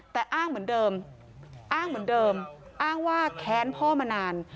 แต่อ้างเหมือนเดิมอ้างว่าแค้นพ่อมานาน